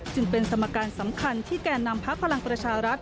จึงเป็นสมการสำคัญที่แก่นำพักพลังประชารัฐ